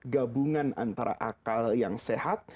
gabungan antara akal yang sehat